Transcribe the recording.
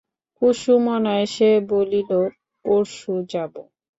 কুসুম অনায়াসে বলিল, পরশু যাব।